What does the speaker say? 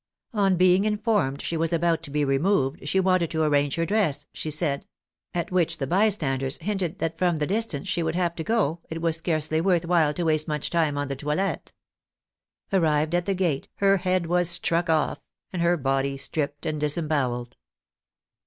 On being informed she was about to be removed, she wanted to arrange her dress, she said ; at which the bystanders hinted that from the distance she would have to go, it was scarcely worth while to waste much time on the toilette. Arrived at the gate, her head was struck off, and her body stripped and disembowelled.